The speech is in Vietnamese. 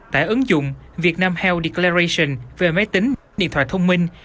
tại ứng dụng vietnam health declaration về máy tính điện thoại thông minh